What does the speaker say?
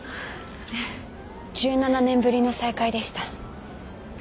１７年ぶりの再会でした。